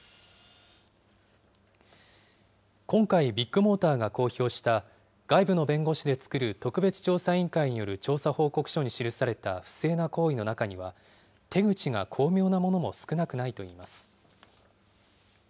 今回ビッグモーターが公表した、外部の弁護士で作る特別調査委員会による調査報告書に記された不正な行為の中には、手口が巧妙なものも少なくないといいます。